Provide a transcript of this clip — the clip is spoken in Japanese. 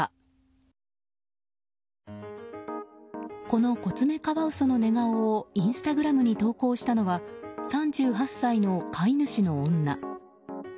このコツメカワウソの寝顔をインスタグラムに投稿したのは３８歳の飼い主の女。